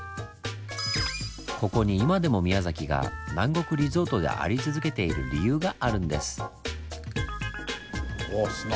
ここに今でも宮崎が南国リゾートであり続けている理由があるんです。